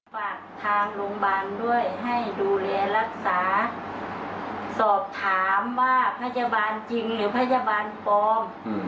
ฝากทางโรงพยาบาลด้วยให้ดูแลรักษาสอบถามว่าพยาบาลจริงหรือพยาบาลปลอม